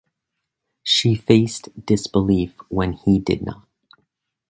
She faced disbelief when he did not.